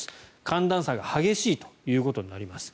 寒暖差が激しいということになります。